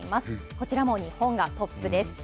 こちらも日本がトップです。